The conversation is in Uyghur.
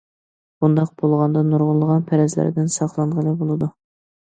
بۇنداق بولغاندا نۇرغۇنلىغان پەرەزلەردىن ساقلانغىلى بولىدۇ.